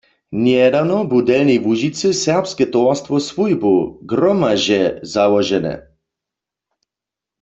Njedawno bu w Delnjej Łužicy Serbske towarstwo swójbow "Gromaźe" załožene.